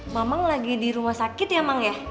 mamang lagi di rumah sakit ya emang ya